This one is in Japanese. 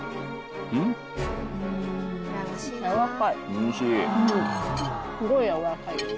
・おいしい！